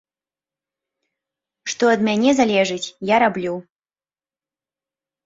Што ад мяне залежыць, я раблю.